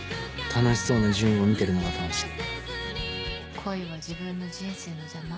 楽しそうな純を見てるのが楽しい。